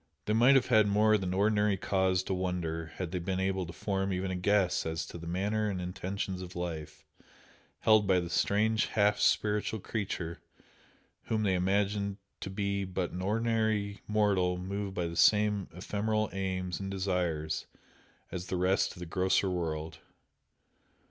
They might have had more than ordinary cause to "wonder" had they been able to form even a guess as to the manner and intentions of life held by the strange half spiritual creature whom they imagined to be but an ordinary mortal moved by the same ephemeral aims and desires as the rest of the grosser world.